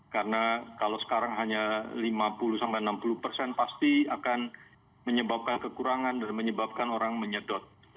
karena kalau sekarang hanya lima puluh sampai enam puluh persen pasti akan menyebabkan kekurangan dan menyebabkan orang menyedot